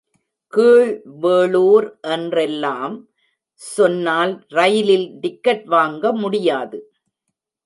கீழ்வேளூர் என்றெல்லாம் சொன்னால் ரயிலில் டிக்கெட் வாங்க முடியாது.